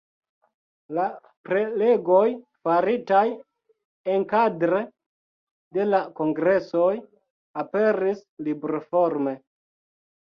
La prelegoj, faritaj enkadre de la kongresoj, aperis libroforme.